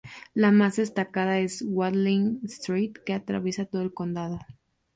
La más destacada es "Watling Street" que atraviesa todo el condado.